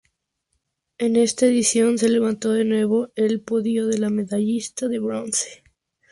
En esta edición, se levantó de nuevo al podio como medallista de bronce.